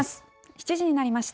７時になりました。